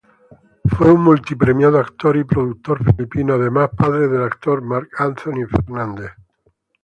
Fue un multi-premiado actor y productor filipino, además padre del actor Mark Anthony Fernández.